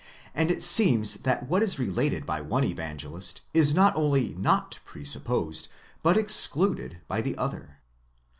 and it seems that what is related by one Evangelist is not only not presupposed, but excluded, by the other.